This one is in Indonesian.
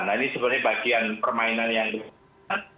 nah ini sebenarnya bagian permainan yang diperlukan